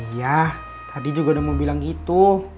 iya tadi juga udah mau bilang gitu